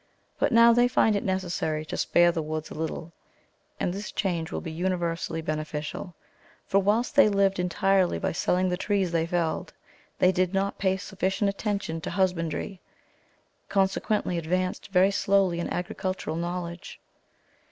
But now they find it necessary to spare the woods a little, and this change will be universally beneficial; for whilst they lived entirely by selling the trees they felled, they did not pay sufficient attention to husbandry; consequently, advanced very slowly in agricultural knowledge.